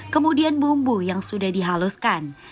kemudian bumbu yang sudah dihaluskan